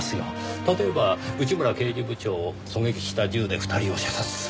例えば内村刑事部長を狙撃した銃で２人を射殺する。